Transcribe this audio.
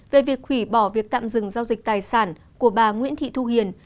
về việc hủy bỏ việc tạm dừng giao dịch tài sản của bà nguyễn thị thu hiền